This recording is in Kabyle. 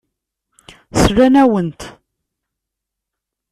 Slan-awent.